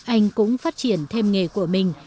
anh cũng phát triển thêm nghề của mình